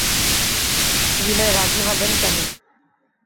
বিনয় রাজি হবেন কেন?